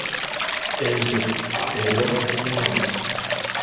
Ente erwala bumwamwa.